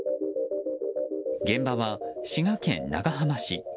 現場は滋賀県長浜市。